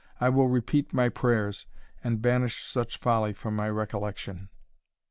I will repeat my prayers, and banish such folly from my recollection."